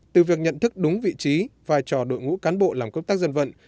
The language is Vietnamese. từ việc nhận thức đúng vị trí vai trò đội ngũ cán bộ làm công tác dân vận